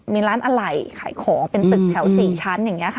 มีร้านอะไหล่ขายของเป็นตึกแถว๔ชั้นอย่างนี้ค่ะ